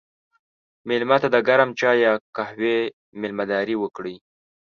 مېلمه ته د ګرم چای یا قهوې میلمهداري وکړه.